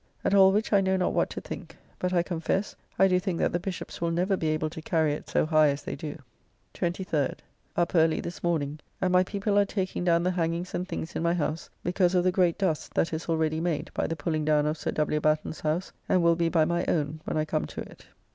At all which I know not what to think; but, I confess, I do think that the Bishops will never be able to carry it so high as they do. 23rd. Up early, this morning, and my people are taking down the hangings and things in my house because of the great dust that is already made by the pulling down of Sir W. Batten's house, and will be by my own when I come to it.